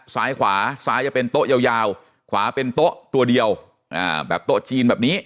ซ้ายขวาซ้ายจะเป็นโต๊ะยาวขวาเป็นโต๊ะตัวเดียวแบบโต๊ะจีนแบบนี้